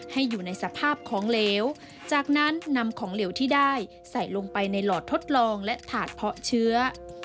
อยู่ในสภาพของเหลวจากนั้นนำของเหลวที่ได้ใส่ลงไปในหลอดทดลองและถาดเพาะเชื้อ